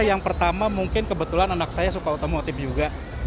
yang pertama mungkin kebetulan anak saya suka otomotif juga